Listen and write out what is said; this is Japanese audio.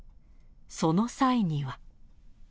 その際には。